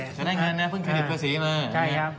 จะได้เงินนี่เพิ่งขนาดฟิษฐิษฐ์เท่าไหร่มา